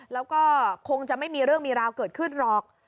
แล้วก็คงจะไม่มีเรื่องมีราวเกิดขึ้นหรอก